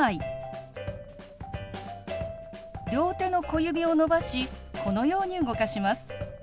両手の小指を伸ばしこのように動かします。